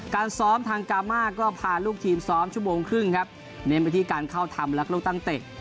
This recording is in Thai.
การซ้อมทางกามาก็พาลูกทีมซ้อมชั่วโมงครึ่งครับเน้นไปที่การเข้าทำและลูกตั้งเตะ